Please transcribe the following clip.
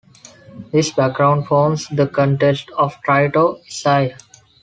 This background forms the context of Trito-Isaiah.